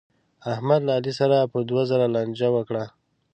احمد له علي سره په دوه زره لانجه وکړه.